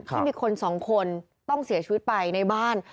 ที่มีคนสองคนต้องเสียชีวิตไปในบ้าน